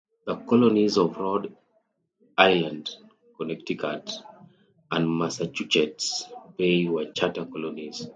The colonies of Rhode Island, Connecticut, and Massachusetts Bay were charter colonies.